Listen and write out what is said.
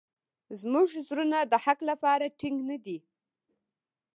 زموږ زړونه د حق لپاره ټینګ نه دي.